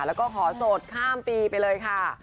แล้วก็ขอโสดข้ามปีไปเลยค่ะ